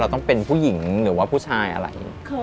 ต้องเป็นผู้หญิงหรือว่าผู้ชายอะไร